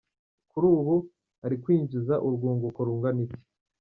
Kuri ubu ari kwinjiza urwunguko rugana iki?.